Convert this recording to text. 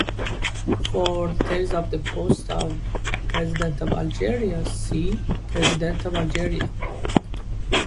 For details of the post of President of Algeria see: "President of Algeria"